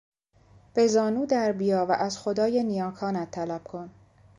به زانو در بیا و از خدای نیاکانت طلب کن.